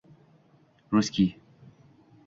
Русский